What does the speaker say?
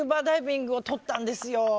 ダイビングをとったんですよ。